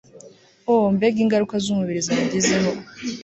o mbega ingaruka z'umubiri zangizeho